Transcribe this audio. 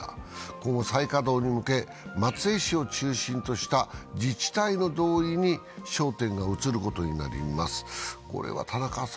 今後、再稼働に向け、松江市を中心とした自治体の同意に焦点が移ることになります。